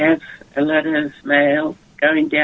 karena anda memiliki banyak laki laki